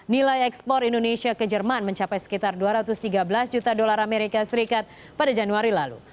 nilai ekspor indonesia ke jerman mencapai sekitar dua ratus tiga belas juta dolar amerika serikat pada januari lalu